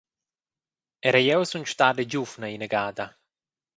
Era jeu sun stada giuvna inagada!